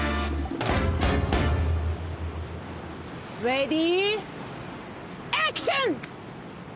レディーアクション！